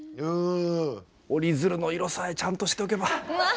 折り鶴の色さえちゃんとしとけば。